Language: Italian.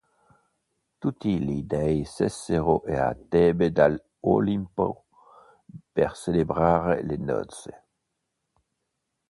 Tutti gli dei scesero a Tebe dall'Olimpo per celebrare le nozze.